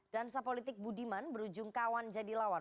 dansa politik budiman berujung kawan jadi lawan